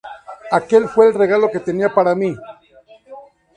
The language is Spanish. Aquel fue el regalo que tenía para mí".